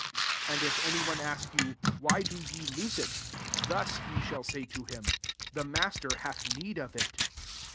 31 And if any one ask you, « Why do ye loose it P^ thus ye shall say to him, ' The Master hath need of it.'